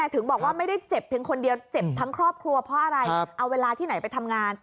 ทั้งครอบครัวเพราะอะไรเอาเวลาที่ไหนไปทำงาน